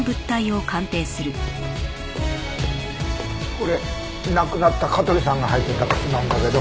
これ亡くなった香取さんが履いてた靴なんだけど。